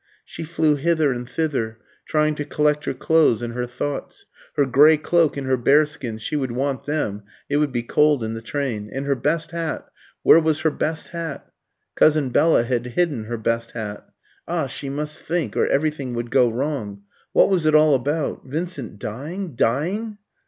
She flew hither and thither, trying to collect her clothes and her thoughts. Her grey cloak and her bearskins she would want them, it would be cold in the train. And her best hat where was her best hat? Cousin Bella had hidden her best hat. Ah! she must think, or everything would go wrong. What was it all about? Vincent dying dying?